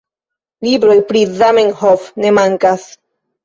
Libroj pri Zamenhof ne mankas.